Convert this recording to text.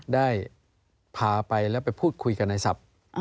ได้พาไปแล้วไปพูดคุยกับนายศัพท์